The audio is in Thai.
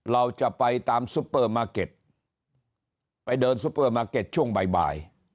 เราจะไปตามซุปเปอร์มาร์เก็ตไปเดินซุปเปอร์มาร์เก็ตช่วงบ่าย